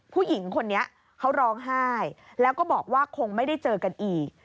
ผู้หญิงคนนี้เขาร้องไห้แล้วก็บอกว่าคงไม่ได้เจอกันอีก